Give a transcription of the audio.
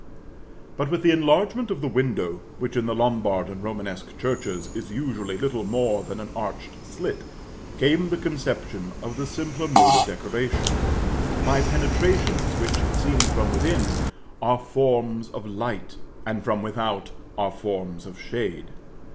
But with the enlargement of the window, which, in the Lombard and Romanesque churches, is usually little more than an arched slit, came the conception of the simpler mode of decoration, by penetrations which, seen from within, are forms of light, and, from without, are forms of shade.